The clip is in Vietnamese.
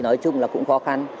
nói chung là cũng khó khăn